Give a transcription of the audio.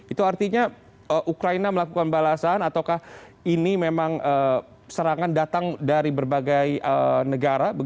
itu artinya ukraina melakukan balasan ataukah ini memang serangan datang dari berbagai negara